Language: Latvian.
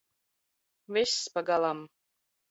Viss pagalam!